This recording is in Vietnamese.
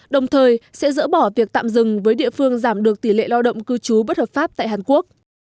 đồng thời sẽ dỡ bỏ việc tạm dừng với địa phương giảm được tỷ lệ lao động cư trú bất hợp pháp tại hàn quốc